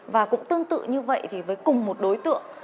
và cũng tương tự như vậy thì với cùng một đối tượng